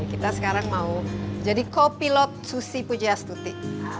kita sekarang mau jadi co pilot susi pujiastuti